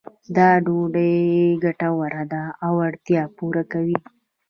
دا ډوډۍ ګټوره ده او اړتیا پوره کوي.